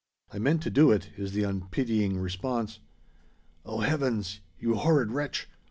"I meant to do it," is the unpitying response. "O Heavens! You horrid wretch!